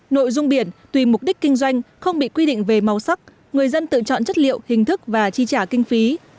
nội dung biển tùy mục đích kinh doanh không bị quy định về màu sắc người dân tự chọn chất liệu hình thức và chi trả kinh phí